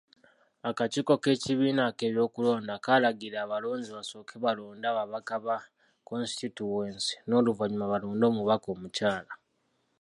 Akakiiko k'ekibiina ak'ebyokulonda kaalagira abalonzi basooke balonde ababaka ba Kositityuwensi n'oluvannyuma balonde Omubaka omukyala.